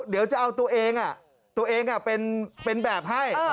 เดี๋ยวจะเอาตัวเองตัวเองเป็นแบบให้